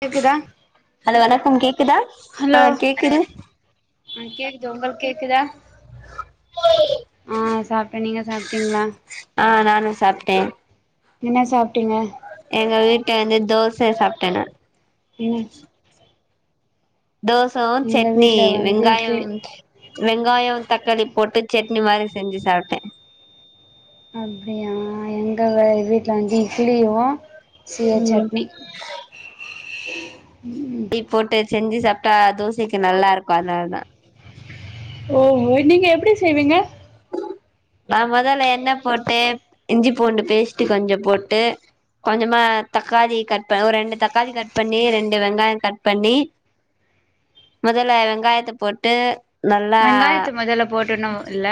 கேக்குதா ஹலோ வணக்கம் கேக்குதா ஆ ஹலோ கேக்குது ம் கேக்குது உங்களுக்கு கேக்குதா ஆ சாப்ட்டே நீங்க சாப்ட்டீங்களா நா சாப்ட்டே என்ன சாப்ட்டீங்க? எங்க வீட்ல வந்து தோச சாப்ட்டே நானு ம் தோசவு சட்னி வீட்ல வந்து வெங்காயோ இட்லி வெங்காயோ தக்காளி போட்டு சட்னி மாரி செஞ்சு சாப்டேன் அப்டியா எங்க வீட்ல வந்து இட்லியும் சிய ம் சட்னி [unintelligible] டி போட்டு செஞ்சு சாப் டா தோசைக்கு நல்லாருக்கும் அதுனால தா ஓஹோ நீங்க எப்டி செய்வீங்க நா மெதல்ல எண்ணெய் போட்டு இஞ்சி பூண்டு பேஸ்ட்டு கொஞ்ச போட்டு கொஞ்சமா தக்காளி கட் பண் ஒரு ரெண்டு தக்காளி கட் பண்ணி ரெண்டு வெங்காயம் கட் பண்ணி மெதல வெங்காயத்த போட்டு நல்லா வெங்காயத்த முதல போட்டணு இல்ல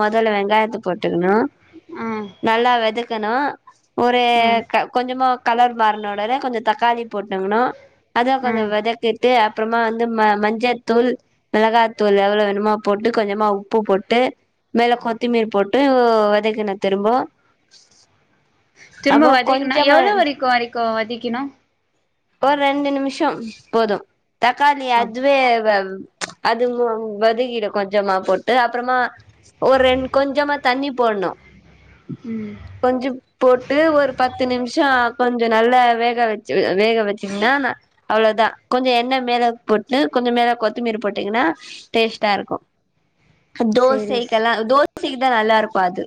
மெதல வெங்காயத்த போட்டுக்கணு ஆ நல்ல வெதக் கனு ஒரு ம் க கொஞ்சமா கலர் மார்னேடன கொஞ்ச தக்காளி போட்டுங்கணு அத கோஞ்சோ ம் வதக்கிட்டு அப்றமா வந்து ம மஞ்சத்தூள் மிளகாத்தூள் எவ்ளோ வேணுமா போட்டு கொஞ்சமா உப்பு போட்டு மேல கொத்தமில்லி போட்டு வதக்கினு திரும்போ திரும்ப அப்போ வதக்கணும் கொஞ்சமா எவ்ளோ வரைக்கு வரைக்கு வதக்கிணும் ஒர் ரெண்டு நிமிஷம் போதும் தக்காளி அப் அதுவே வ அது வதக்கீடு கொஞ்சமா போட்டு அப்றமா ஒரு ரெண்டு கொஞ்சமா தண்ணி போட்ணும் ம் கொஞ்ச போட்டு ஒரு பத்து நிமிஷம் கொஞ்ச நல்லா வேக வச்சு வேக வச்சுந்தானா அவ்ளோதா கொஞ்ச எண்ணெய் மேல போட்டு கொஞ்ச மேல கொத்தமீறி போடீங்கன்னா டேஸ்டாருக்கும் சேரி தோசை கோசிக்கிட்டா நல்லாருப்பாது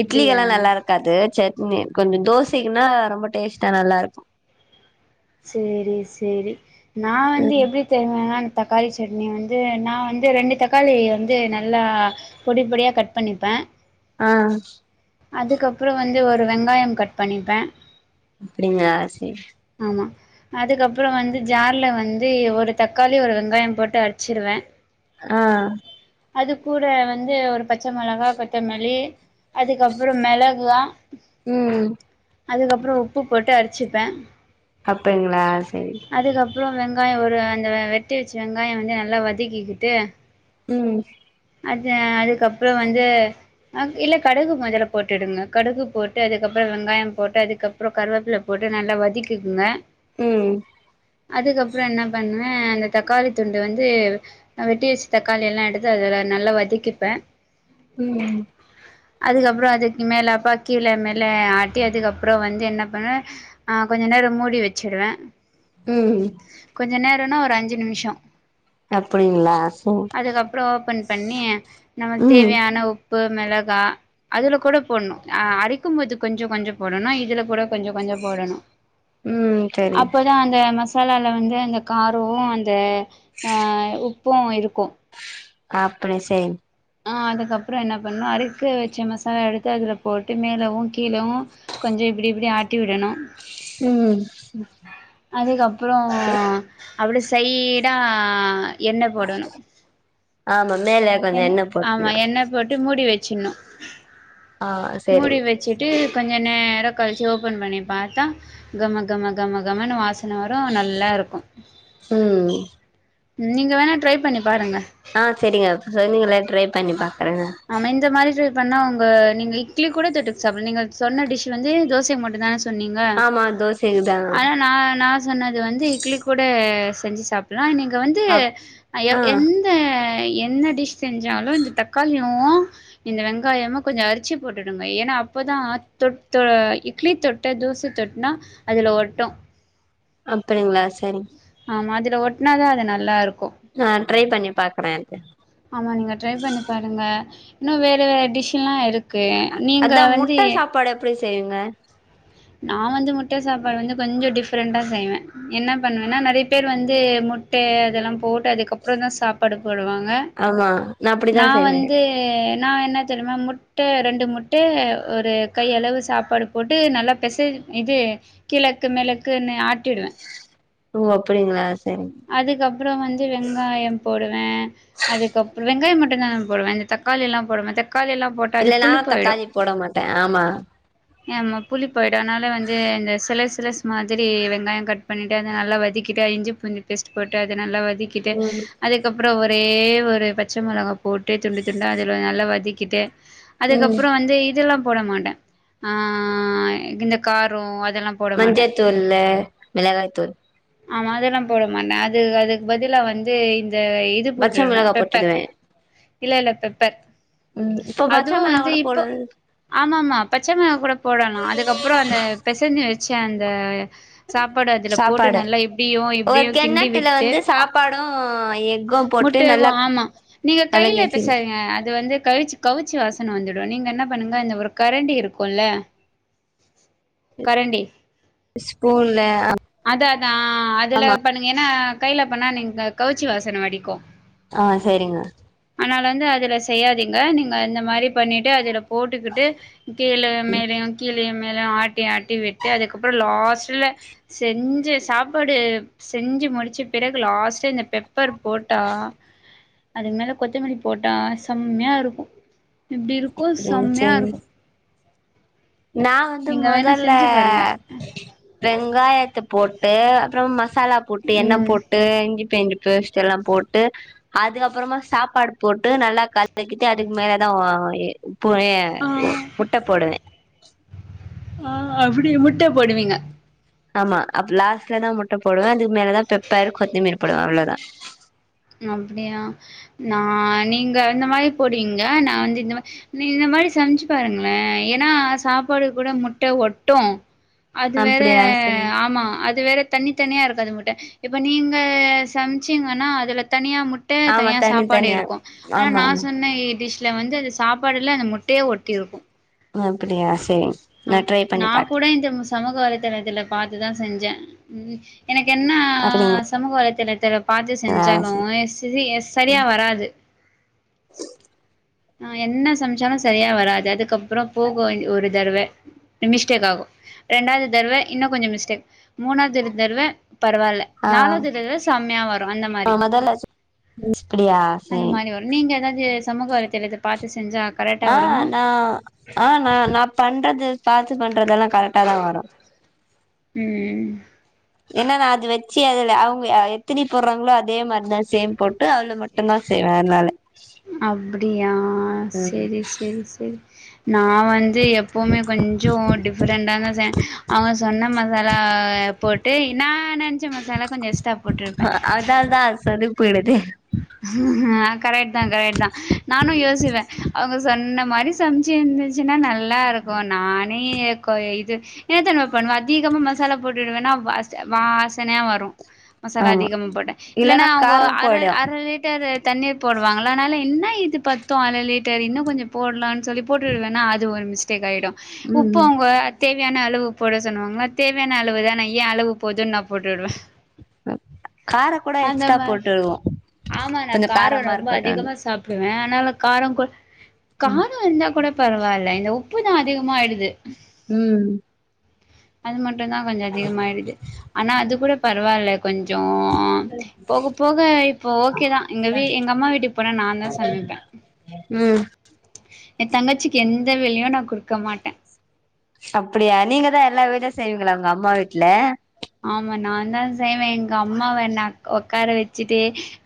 இட்லி கெல்லா நல்லாருக்காது சட் நே கொஞ்ச தோசைக்குன்னா ரொம்ப டேஸ்ட்டா நல்லாருக்கும் சேரி சேரி நா வந்து ம் எப்டி செய்வேன்னா தக்காளி சட்னி வந்து நா வந்து ரெண்டு தக்காளி வந்து நல்லா பொடி பொடியா கட் பண்ணிப்பேன் ஆ அதுக்கப்றோம் வந்து ஒரு வெங்காயம் கட் பண்ணிப்பேன் ஏங்க ஆர் சி ம் அதுக்கப்றோ வந்து ஜார்ல வந்து ஒரு தக்காளி ஒரு வெங்காயம் போட்டு அடிச்சிருவேன் ஆ அதுக்கு கூட வந்து ஒரு பச்சை மிளகா கொத்தமல்லி அதுக்கப்றோ மிளகா ம் அதுக்கப்றோ உப்பு போட்டு அடு வச்சுப்பேன் அப்பங்களா அதுக்கப் அப்றோ வெங்காயம் ஒரு அந்த வெட்டி வச்சு வெங்காயம் வந்து நல்லா வதக்கிக்கிட்டு ம் அது அதுக்கப்றோ வந்து இல்ல கடுகு முதல்ல போட்டுடுங்க கடுகு போட்டு அதுக்கப்றோ வெங்காயம் போட்டு அதுக்கப்றோ கருவேப்பில போட்டு நல்லா வதக்குக்குங்க ம் அதுக்கப்றோ என்ன பண்ணுவேன் அந்த தக்காளி துண்டு வந்து வெட்டி வச்சு தக்காளி எல்லா எடுத்து அதுல நல்லா வதக்கிப்பேன் ம் அதுக்கப்றோ அதுக்கு மேல அப்பா கீழே மேல ஆட்டி அதுக்கப்றோ வந்து என்ன பண்ணுவேன் ஆ கொஞ்ச நேரம் மூடி வச்சுடுவேன் ம் கொஞ்ச நேரம்னா ஒரு அஞ்சு நிமிஷம் அப்டிங்களா சோ ஓப்பன் பண்ணி நமக்கு தேவையான உப்பு மெளகா அதுல கூட போடணும் அ அரைக்கும்போது கொஞ்சம் கொஞ்சம் போடணும் இதுல கூட கொஞ்சம் கொஞ்சம் போடணும் ம் செரி மசாலால வந்து அந்த காரம் அந்த ஆ உப்பும் இருக்கும் அப்டி செய் ஆ அதுக்கப்றோ என்ன பண்ணணும் அறுக்க வச்ச மசாலா எடுத்து அதுல போட்டு மேலேவும் கீழேவும் கொஞ்சம் இப்டி இப்டி ஆட்டி விடணும் ம் அதுக்கப்றோ சேரி அப்டி செய்டா எண்ணெய் போடணும் ஆமா மேல கொஞ்சோ என் எண்ணெ ஆமா போட்டுனு எண்ணெய் போட்டு மூடி வை சின்னம் ஆ முடி சேரிங்க வச்சிட்டு கொஞ்ச நேரோ கழிச்சி ஓபன் பண்ணி பாத்தா கம கம கம கமன்னு வாச சன வரு நல்லா இருக்கு ம் ம் நீங்க வேணா ட்ரை பண்ணி பாருங்க ஆ சேரிங்க சொன்னிங்கள ட்ரை பண்ணிப்பா நாம இந்த மாரி பண்ணா உங்க நீங்க இட்லி கூட தட்டு சாப்ப நீங்க சொன்ன டிஷ் வந்து தோசைக்கு மட்டுதா சொன்னீங்க ஆமா தோசைக்குதா ஆனா நா நா சொன்னது வந்து இட்லி கூட செஞ்சி சாப்பலா இன்னிக் க்க வந்து அப் ஆ எவ் எந்த என்ன டிஷ் செஞ்சாலு இந்த தக் தக்காளியு இந்த வெங்காயமு கொஞ்சோ அரிச்சு போட்டுடுங்க ஏன்னா அப்பதா தொ இட்லி தொட்டு தோச தொட்டுனா அதுல ஒட்டு அப்பிடிங்களா சேரிங் ஆமா அதுல ஒட்டனாதா அது நல்லா இருக் ஆ ட்ரை பண்ணி பாக்குறேது ஆமா நீங்க ட்ரை பண்ணி பாருங்க இன்னு வேறு வேற டிஷ்ல்லா இருக் க்கு நீங்க அதா வந்து முட்ட சாப்பாடு எப்டி செய்வீங்க நா வந்து முட்ட சாப்பாடு வந்து கொஞ்சோ டிஃப்ரெண்டா செய்வே என்ன பண்ணுவேன்னா நெறைய பேர் வந்து முட்ட அதெல்லா போ ட்டு அதுக்கப்புறோதா சாப்பாடு போடுவாங்க ஆமா அப்டிதா நா செய்வே வந்து என் நா என்ன தெரியுமா முட்ட ரெண்டு முட்ட ஒரு கைய அளவு சாப்பாடு போட்டு நல்லா தெசது இது கிழக்கு மிளக்குன்னு ஆட்டிடுவே ஓ அப்பிடிங்களா அதுக்கப்பறோ வந்து வெங்காயோ போடுவே அதுக்கப்பறோ வெங்காய மட் வெங்காயலா போடுவே இந்த தக்காளி எல்லா போடுவே இல்ல நா தக்காளி போட மாட்டே ஆமா யாமா புளி ஆயிடு அதனால வந்து இந்த சிலர் சிலஸ் மாதிரி வெங்காயோ கட் பண்ணிட்டு அத நல்லா வதக்கிட்டு அரிஞ்சி புஞ்சி பேஸ்ட் போட்டு அது நல்லா வ திக்கிட்டு ம் அதுக்கப்புறோ ஒ ஒரே ஒரு பச்ச மொளகா போட்டு துண்டு துண்டு அதல நல்லா வதக்கிட்டு ம் அதுக்கப்புறோ வந்து இதல்லாம் போட மாட்டே ஆ இந்த காரோ அ மஞ்சதூள்ளே மெளகாய்தூள் ஆமா அதெல்லாம் போடமாட்டே அது அதுக் பதிலா வந்து இந் த இது பச்ச போட்ருவே மிளகா பெப்பர் போட்டுடுவே இல்லல்ல பெப்பர் ம் இப்போ அதுவு பச்ச மிளகா வந்து கூட இப்பொ போடுவே ஆமாமா பச்சமெளகா கூட போடலா அதுக்கப்றொ அந்த பெசஞ்சு வ ச்ச அந்த சாப்பாடு அதுல போட்டு நல்லா இப்டியு இப் கெண்ணத்துல வந்து சாப்பாடு எக்கு போட்டு நல்லா முட்டையவும் நல்லா கலக்கி வச்சிரு து வந்து கலிச்சி கவிச்சு வாசன வந்துடு நீங்க என்ன பண்ணுங்க அந்த ஒரு கரண்டி இருக்குல்ல கரண்டி ஸ்பூன்ல அ ஆ அதுல பண்ணுங்க ஏனா கைல பண்ணா நீங்க கவுச்சி வாசன அடிக்கு ஆ சேரிங்க அனால வந்து அதுல செய்யாதீங்க நீங்க இந்த மாரி பண்ணிட்டு அதுல போட்டுகிட்டு கீழ மேலுயு கீ ழயு மேலயு ஆட்டி ஆட்டி விட்டு அதுக்கப்புறொ லாஸ்ட்டுல செஞ்ச சாப்பாடு செஞ்சு முடிச்ச பிறகு லாஸ்ட்டு இந்த பெப்பர் போட்டா அது மேல கொத்தமல்லி போட்டா செம்மையா இருக்கு எப்டி இருக்கு ம் செம்மயா சரிங்க இருக்கு நா வந்து மொதல்ல செஞ்சு பாருங்க. வெங்காய த்த போட்டு அப்றம் ம சாலா போட்டு எண்ண ம் போட்டு இஞ்சி பேஞ்சு பேஸ்ட்டெல்லா போட்டு அது அப்புறமா சாப்பாடு போட்டு நல்லா கலக்கிட்டு அதுக்கு மேலதா ஆ எ போ எ ஆ முட்ட போடுவே ஆ அப்டி முட்ட போடுவீங்க ஆமா அப்ப லாஸ்ட்லதா முட்ட போடுவே அது மேலதா பெப்பர் கொத்துமிரு போடுவே அவ்ளதா அப்டியா நா நீங்க இந்த மாரி போடுவீங்க நா வந்து இந்த மா நீ இந்த மாரி செஞ்சு பாருங்ளே ஏனா சாப்பாடு கூட முட்ட ஒட்டு அது வேற அப்படியா சரிங்க ஆமா அது வேற தனி தனியா இரு க்காது முட்ட இப்ப நீங்க சம்ச்சீங்கனா அதுல தனியா முட் மட்ட ஆமா தனியா தனி சாப்பாடு தனியா இருக்கு ஆனா ஆமா நா ஆமா சொன்னே டிஷ் இதுல வந்து அந்த சாப்பாடுல்லா அந்த முட்டயே ஒட்டி இருக்கு அப்படியா செரி ஆ நா கூட இந்த சமூக வலைதளத்துல பாத்துதா செஞ்சே ம் எனக்கு என்னா அப்படிங்களா சமூக வலைத்தல தரப் பார்த்து செஞ்சாலு சரி சிரி சரியா வராது ஆ என்ன சமச்சாலு சரியா வராது அதுக்கப்றோ போகு ஒரு தடவ மிஸ்டேக் ஆகு ரெண்டாவது தடவ இன்னு கொஞ்சோ மிஸ்டேக் மூனாவது தடவ பரவாயில்ல ஆ நாலாவது தடவ செம்மையா வரு அந்த மாரி ஆ மொதல்ல அப்படியா அந்த சரி மாரி வரு நீங்க ஏதாவது சமக்கு வ எனக்கு பாத்து ஆ நா ஆ நா நா பண்றது பார்து பண்றதெல்லா கரெக் ட்டாதா வரு உம் ஏன்னா நா அது வச்சு அதுல அவுங்க எத்தினி போடுறாங்களோ அதே மாதிரி தா சேம் போட்டு ட்டு அதுல மட்டுந்தா செய்வே அதனால டியா ஆ ம் சேரி சேரி சேரி நா வந் து எப்பவுமே கொஞ்சோ டிஃபரெண்டா ச அவுங்க சொன்ன மசாலா போட்டு நா ன்னா கொஞ்சோ மசாலா கொஞ்சோ எஸ்டா போட்டுருப்பே போய்டுது ஆ கரெக்ட் தா கரெக்ட் தா நானு யோசிப்பே அவுங்க சொன்ன இந்த மாரி சமச்சு இருந்துச்சுன்னா நல்லா இருக்கு நானே இது என்னத்தெரிமா பண்ணுவே அதிகமா மசாலா போட்டுவேன்னா வா வாசனையா வரு மசாலா ஆமா அதிகமா போட்டே இல்லன்னா அவுங்க காரோ போயிடு அ தண்ணீர் போடுவாங்களா அதனால என்ன இது பத்து அர லிட்டர் இன்னு கொஞ்சோ போடலா சொல்லி போட்டுவிடுவேன்னா அது ஒரு மி்ஸ் காயிடு உப்பு ம் அவுங்க தே தேவையான அளவு போட சொன்னுவாங்க தேவையான அளவுதான ஏ அளவு போது காரோ கூட அந்த எஸ்ட்ரா மாரி போட்டுருவோ ஆமா நா கொஞ்சோ காரோ காரமா ரொம்ப இருக்கட்டுன் அதிகமா சாப்பிடு வேணாலு காரங்கொ ம் காரோ இருந்த கூட பரவாயில்ல இந்த உப்பு தா அதிகமாயிடுது ம் அது மட் மட்டுதா கொஞ்சோ அதிகமாயிடுது ஆனா அது கூட பரவாயில்ல கொஞ்சோ போக போக ஓகேதா எங்க வீ எங்க அம்மா வீட்டுக்கு போனா நா தா சமைப்பே ம் எ தங்கச்சிக்கு எந்த வேலையு நா குடுக்கமாட்டே செய்விங்களா உங்க அம்மா வீட்ல ஆமா நா தா செய்வே எங்க அம்மாவ நா உக்கார வச்சிட்டு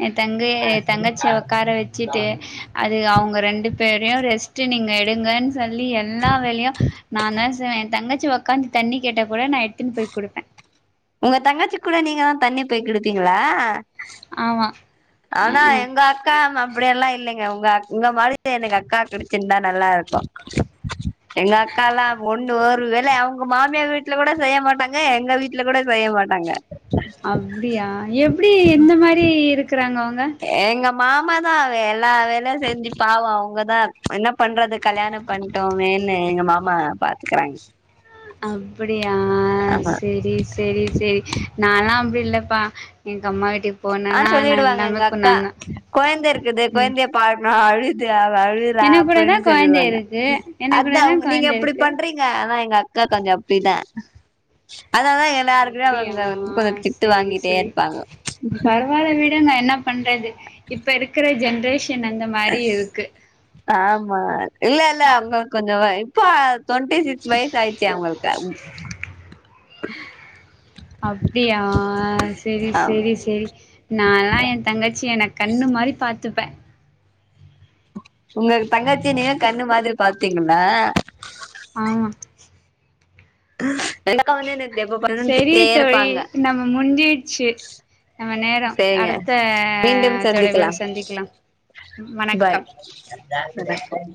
என் தங்கே தங்கச்சி உக்கார வச்சுட்டு அது அவுங்க ரெண்டு பேரையு ரெஸ்ட்டு நீங்க எ எடுங்கன் சொல்லி எல்லா வேலையு நாதா செ சோ ஏ தங்கச்சி உக்காந்து தண்ணி கேட்ட கூட நா எடுத்துனு போய் குடுப்பே உங்க தங்கச்சி கூட நீங்கதா தண்ணி போயி குடுப்பீங்களா ஆமா ஆனா ம்ஹூம் எங்க அக்கா மா அப்பிடில்லா இ இல்லைங்க உங்க அக் உங்க மாரி எனக்கு அக்கா கிடைச்சின்னந்தா நல்லா இருக்கு எங்க அக்கால்லா ஒண்ணு ஒரு வேலை அவுங்க மாமியார் வீட்ல கூட செய்ய மாட்டாங்க எங்க வீட்ல கூட செய்ய மாட்டாங்க அப்பிடியா எப்பிடி இந்த மாரி இருக்கறாங்க அவுங் ஏங் எங்க மாமாதா எல்லா வேல செஞ்சி பாவோ அவுங்கதா என்ன பண்றது கல்யாணம் பண்ணிட்டோமேன்னு எங்க மாமா பாத்துக்கறாங் அப்பிடியா சேரி சேரி சேரி நலா அப்பிடி இல்லப்பா எங்க அம்மா வீட்டுக் ஆ சொல்லிடுவாங்க எங்க அக்கா கொழந்த இருக்குது ம் கொழந்தைய பாக்கனும் அழு வ அவ அழுர எனக்கு கூட அப்டின்னு தான் கொழந்த சொல்லிருவாங்க இருக்கு எனக்கு கூட அதான் தான் அவுங்க நீங்க கொழந்த எப்படி இருக்கு பண்றீங்க ஆனா எங்க அக் அக்கா கொஞ்சம் அப்டிதான் அதனாலதா எல்லாருக்குமே அப்டியா அவங்க வந்து கொஞ்சம் திட்டு வாங்கிட்டே இருப்பாங்க பரவாயில் விடுங்க என்ன பண்றது இப்ப இருக்கிற ஜென்ரே ஆமா இல்ல இல்ல அவங்களுக்கு கொஞ்சம் இப்பா தொன்ட்டி சிக்ஸ் வயசு ஆயிடுச்சி அவுங்களுக்கு ம் ஆ அப்டியா செரி ஆ செரி செரி நாலாம் என் தங்கச்சிய நா கண்ணு மாரி பாத் துப்பன் உங்களுக்கு தங்கச்சி இந்திங்கனா கண்ணு மாதிரி பாத்தீங்களா ஆமா வெண்டக்கா வந்துனு சரி தோழி நம்ம முஞ்சிடுச்சி நம்ம நேரம் சேரிங்க அடுத்த மீண்டும் தொடர்பில் சந்திக்கலாம் சந்திக்கலா வணக்கம் பாய்